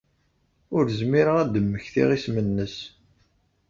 Ur zmireɣ ad d-mmektiɣ isem-nnes.